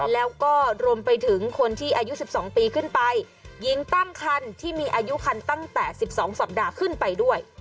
แล้วก็รวมไปถึงคนที่อายุ๑๒ปีขึ้นไปหญิงตั้งคันที่มีอายุคันตั้งแต่๑๒สัปดาห์ขึ้นไปด้วย